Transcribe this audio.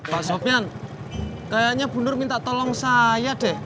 pak sofian kayaknya bu nur minta tolong saya deh